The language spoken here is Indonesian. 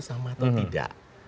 sama atau tidak